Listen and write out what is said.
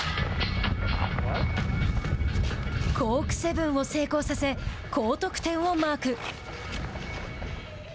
コークセブンを成功させ高得点をマーク。